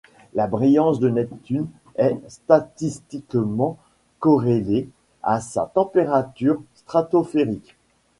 La brillance de Neptune est statistiquement corrélée à sa température stratosphérique.